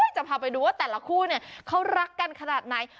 จะพาไปดูว่าแต่ละคู่เขารักกันขนาดไหน